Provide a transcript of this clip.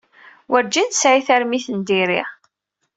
Werǧin tesɛi tarmit n diri.